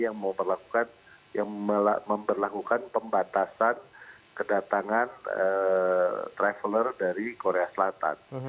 yang memperlakukan pembatasan kedatangan traveler dari korea selatan